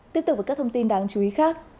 tiếp tục với các thông tin đáng chú ý khác